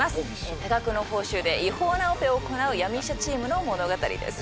多額の報酬で違法なオペを行う闇医者チームの物語です